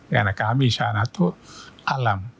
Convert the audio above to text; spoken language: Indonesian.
karena kami di sana itu alam